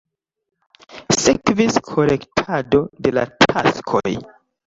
Sekvis korektado de la taskoj.